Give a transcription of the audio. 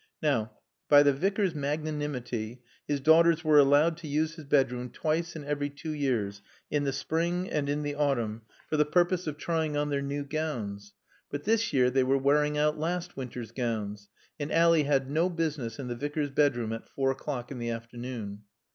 Now, by the Vicar's magnanimity, his daughters were allowed to use his bedroom twice in every two years, in the spring and in the autumn, for the purpose of trying on their new gowns; but this year they were wearing out last winter's gowns, and Ally had no business in the Vicar's bedroom at four o'clock in the afternoon.